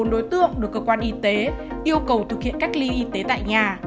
bốn đối tượng được cơ quan y tế yêu cầu thực hiện cách ly y tế tại nhà